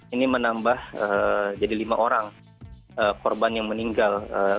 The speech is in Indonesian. ini menambah jadi lima orang korban yang meninggal